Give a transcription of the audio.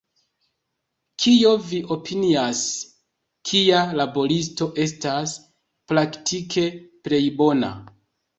Kion vi opinias, kia laboristo estas praktike plej bona?